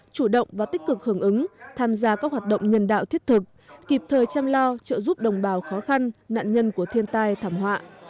chủ động và tích cực hưởng ứng tham gia các hoạt động nhân đạo thiết thực kịp thời chăm lo trợ giúp đồng bào khó khăn nạn nhân của thiên tai thảm họa